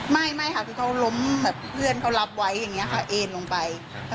ไม่ค่ะคือเขาล้มแบบเพื่อนเขารับไว้อย่างนี้ค่ะเอ็นลงไป